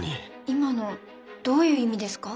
今のどういう意味ですか？